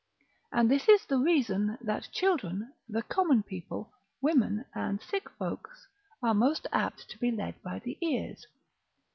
And this is the reason that children, the common people, women, and sick folks, are most apt to be led by the ears.